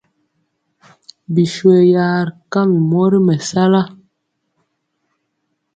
Biswe ya ri kam mori mɛsala.